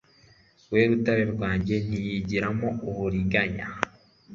we rutare rwanjye, ntiyigiramo uburiganya